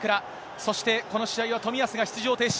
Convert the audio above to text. そして、この試合を冨安が出場停止。